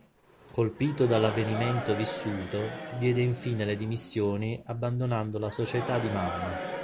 Colpito dall'avvenimento vissuto, diede infine le dimissioni abbandonando la società di Mamma.